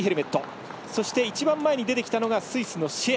一番前に出てきたのがスイスのシェア。